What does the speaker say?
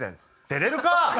「出れるか！